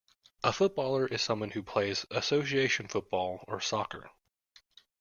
A footballer is someone who plays Association Football, or soccer